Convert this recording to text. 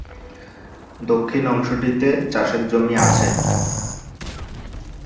দক্ষিণ অংশটিতে চাষের জমি আছে।